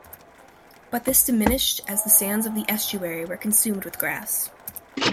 But this diminished as the sands of the estuary were consumed with grass.